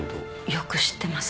よく知ってますね。